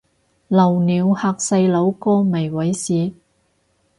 露鳥嚇細路哥咪猥褻